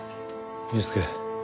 祐介。